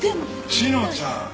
志乃ちゃん